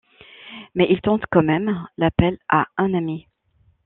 Mais il tente quand même l’appel à un ami.